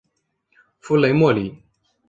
弗雷默里。